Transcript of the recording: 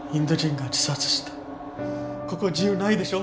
ここ自由ないでしょ？